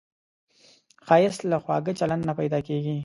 ښایست له خواږه چلند نه پیدا کېږي